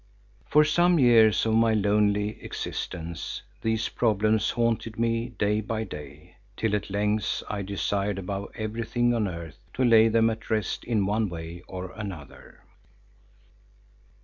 For some years of my lonely existence these problems haunted me day by day, till at length I desired above everything on earth to lay them at rest in one way or another.